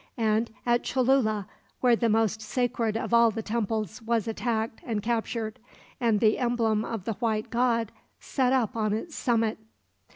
And at Cholula, where the most sacred of all the temples was attacked and captured, and the emblem of the White God set up on its summit?